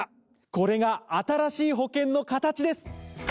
これが新しい保険の形です！